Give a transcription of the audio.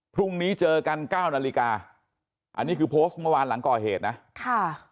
พรุ่งนี้เจอกันเก้านาฬิกาอันนี้คือโพสต์เมื่อวานหลังก่อเหตุนะค่ะ